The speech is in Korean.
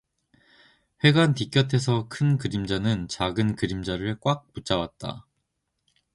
회관 뒤꼍에서 큰 그림자는 작은 그림자를 꽉 붙잡았다.